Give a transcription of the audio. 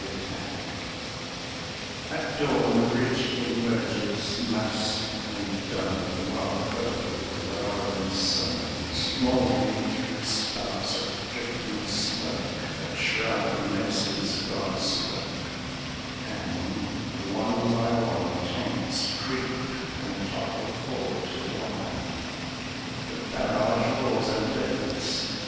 ATTACK At dawn the ridge emerges massed and dun In the wild purple of the glowering sun Smouldering through spouts of drifting smoke that shroud The menacing scarred slope; and, one by one, Tanks creep and topple forward to the wire. The barrage roars and lifts.